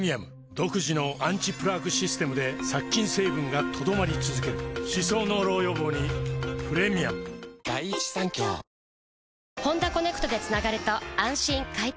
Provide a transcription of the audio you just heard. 独自のアンチプラークシステムで殺菌成分が留まり続ける歯槽膿漏予防にプレミアム「ワイド！スクランブル」